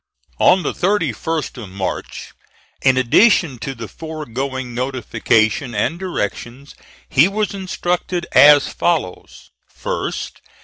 On the 31st of March, in addition to the foregoing notification and directions, he was instructed as follows: "1st.